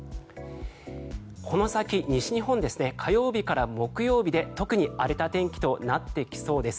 この先、西日本火曜日から木曜日で特に荒れた天気となってきそうです。